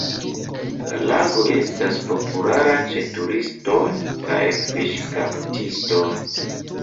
La lago estas populara ĉe turistoj kaj fiŝkaptistoj.